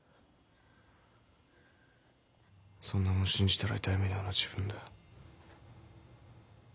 そんなもん信じたら痛い目に遭うのは自分だ。